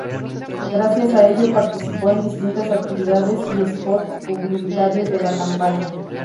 Gracias a ello participó en distintas actividades y spots publicitarios de la campaña.